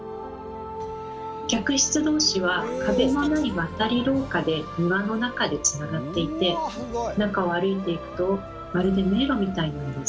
客室同士は壁のない渡り廊下で庭の中でつながっていて中を歩いていくとまるで迷路みたいなんです。